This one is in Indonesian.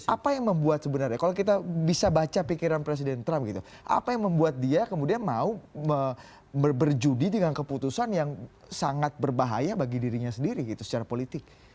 apa yang membuat sebenarnya kalau kita bisa baca pikiran presiden trump gitu apa yang membuat dia kemudian mau berjudi dengan keputusan yang sangat berbahaya bagi dirinya sendiri gitu secara politik